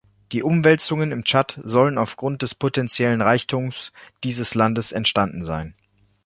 Die Umwälzungen im Tschad sollen aufgrund des potentiellen Reichtums dieses Landes entstanden sein.